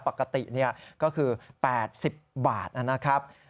ปกติก็คือ๘๐บาทนะครับ